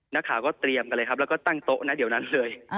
นักข่าวก็เตรียมกันเลยครับแล้วก็ตั้งโต๊ะนะเดี๋ยวนั้นเลย